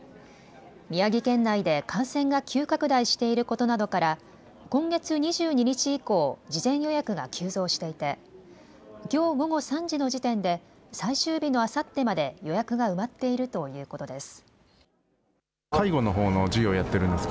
宮城県内で感染が急拡大していることなどから、今月２２日以降、事前予約が急増していて、きょう午後３時の時点で、最終日のあさってまで予約が埋まっているということです。